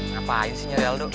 ngapain sih nyari aldo